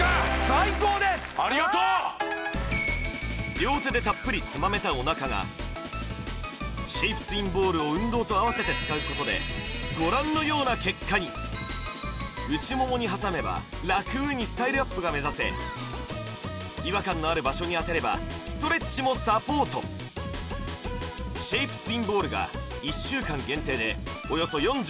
最高ですありがとう両手でたっぷりつまめたおなかがシェイプツインボールを運動とあわせて使うことでご覧のような結果に内ももに挟めばラクにスタイルアップが目指せ違和感のある場所にあてればストレッチもサポートシェイプツインボールが１週間限定でおよそ４６％